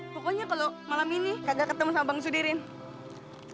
pokoknya kalau malam ini kagak ketemu sama bang sudirin